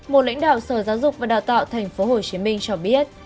một lãnh đạo sở giáo dục và đào tạo tp hcm cho biết